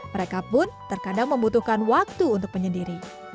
mereka pun terkadang membutuhkan waktu untuk penyendiri